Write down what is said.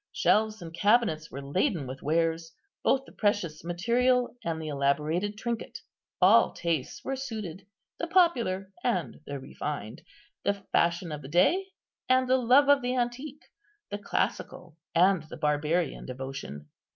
Shelves and cabinets were laden with wares; both the precious material, and the elaborated trinket. All tastes were suited, the popular and the refined, the fashion of the day and the love of the antique, the classical and the barbarian devotion.